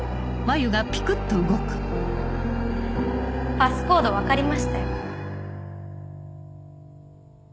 パスコード分かりましたよ。